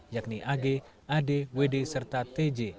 yakni ag ad wd serta tj